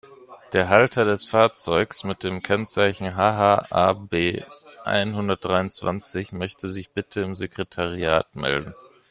Der Halter des Fahrzeugs mit dem Kennzeichen HH-AB-einhundertdreiundzwanzig möchte sich bitte im Sekretariat melden.